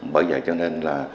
bởi vậy cho nên là